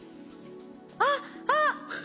あっあっ。